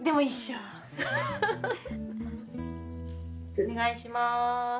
お願いします。